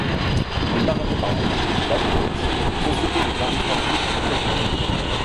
Il est parrainé par l'entreprise Ladbrokes, société de paris sportifs britannique.